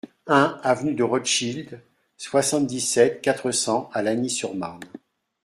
un avenue de Rothschild, soixante-dix-sept, quatre cents à Lagny-sur-Marne